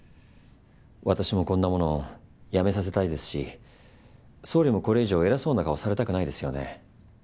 私もこんなものやめさせたいですし総理もこれ以上偉そうな顔されたくないですよね？